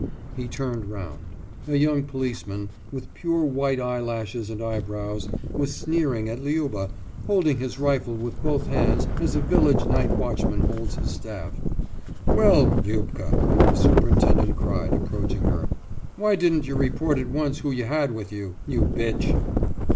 He turned round; a young policeman, with pure white eye lashes and eyebrows, was sneering at Liuba, holding his rifle with both hands as a village night watchman holds his staff. »Well, Liubka,« the superintendent cried, approaching her. »Why didn't you report at once who you had with you, you bitch?